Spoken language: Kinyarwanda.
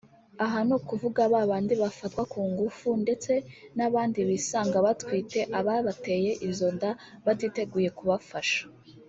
aha ni ukuvuga ba bandi bafatwa ku ngufu ndetse n’abandi bisanga batwite ababateye izo nda batiteguye kubafasha